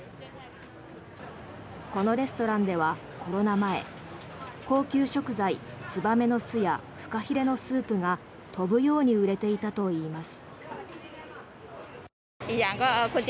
このレストランではコロナ前高級食材、ツバメの巣やフカヒレのスープが飛ぶように売れていたといいます。